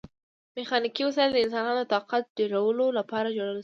میخانیکي وسایل د انسانانو د طاقت ډیرولو لپاره جوړ شول.